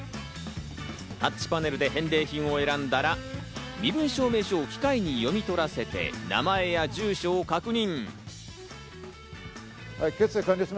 タッチパネルで返礼品を選んだら、身分証明書を機械に読み取らせて、名前や住所を確認。